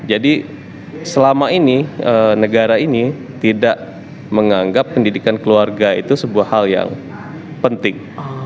jadi selama ini negara ini tidak menganggap pendidikan keluarga itu sebuah hal yang penting